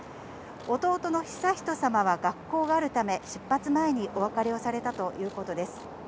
弟の悠仁さまは学校があるため出発前にお別れをされたということです。